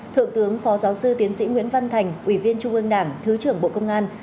thượng tướng phó giáo sư tiến sĩ nguyễn văn thành ủy viên trung ương đảng thứ trưởng bộ công an